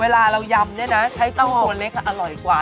เวลาเรายำใช้ตั้งของเล็กน่ะอร่อยกว่า